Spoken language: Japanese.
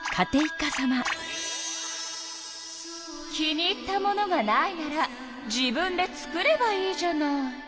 気に入ったものがないなら自分で作ればいいじゃない。